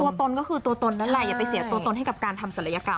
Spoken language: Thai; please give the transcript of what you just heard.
ตัวตนก็คือตัวตนนั่นแหละอย่าไปเสียตัวตนให้กับการทำศัลยกรรม